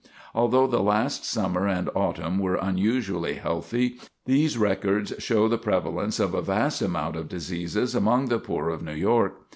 Although the last summer and autumn were unusually healthy, these records show the prevalence of a vast amount of diseases among the poor of New York.